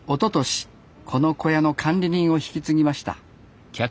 この小屋の管理人を引き継ぎました